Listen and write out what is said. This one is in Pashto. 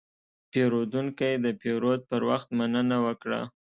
پیرودونکی د پیرود پر وخت مننه وکړه.